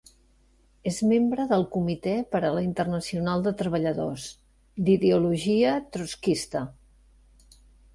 És membre del Comitè per a la Internacional de Treballadors, d'ideologia trotskista.